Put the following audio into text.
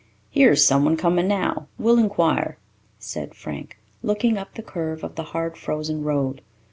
"Here is someone coming now; we'll inquire," said Frank, looking up the curve of the hard frozen road.